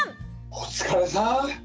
お疲れさん！